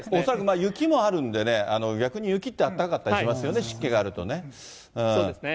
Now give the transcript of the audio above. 恐らく雪もあるんでね、逆に雪ってあったかかったりしますよね、湿気があるとね。